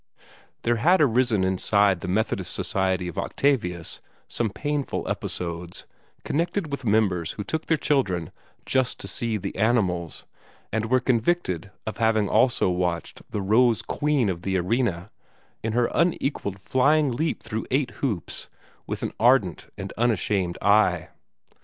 There had arisen inside the Methodist society of Octavius some painful episodes, connected with members who took their children "just to see the animals," and were convicted of having also watched the Rose Queen of the Arena, in her unequalled flying leap through eight hoops, with an ardent and unashamed eye.